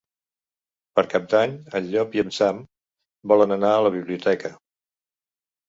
Per Cap d'Any en Llop i en Sam volen anar a la biblioteca.